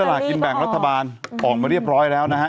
นะครับยังรอเตอรี่ออกมาเรียบร้อยแล้วนะฮะ